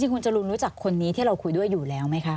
คุณจรูนรู้จักคนนี้ที่เราคุยด้วยอยู่แล้วไหมคะ